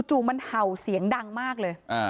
มันเห่าเสียงดังมากเลย